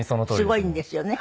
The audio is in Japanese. すごいんですよね。